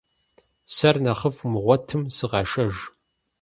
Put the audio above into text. Сэр нэхъыфI умыгъуэтым, сыкъэшэж.